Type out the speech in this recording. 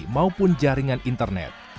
alat komunikasi maupun jaringan internet